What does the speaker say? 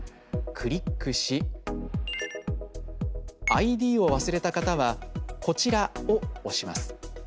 クリックしＩＤを忘れた方は「こちら」を押します。